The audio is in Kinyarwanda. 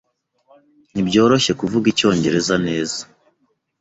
Ntibyoroshye kuvuga icyongereza neza.